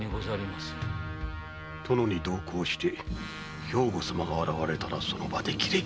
殿に同行して兵庫様が現れたらその場で斬れ！